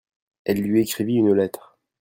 Elle lui écrivit une lettre.